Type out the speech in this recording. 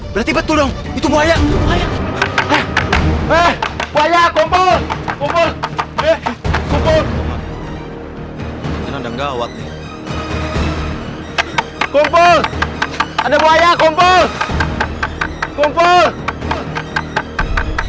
berarti betul dong itu buaya buaya kumpul kumpul kumpul kumpul ada buaya kumpul kumpul